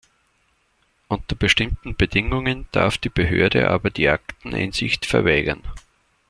Unter bestimmten Bedingungen darf die Behörde aber die Akteneinsicht verweigern.